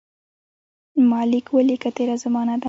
ما لیک ولیکه تېره زمانه ده.